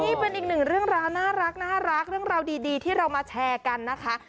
นี่เป็นอีกหนึ่งเรื่องราวน่ารักเรื่องราวดีที่เรามาแชร์กันนะคะ